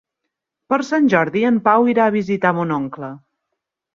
Per Sant Jordi en Pau irà a visitar mon oncle.